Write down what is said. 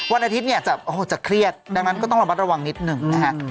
วันอาทิตย์เนี่ยจะเครียดดังนั้นก็ต้องระมัดระวังนิดหนึ่งนะฮะ